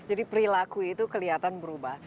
jadi perilaku itu kelihatan berubah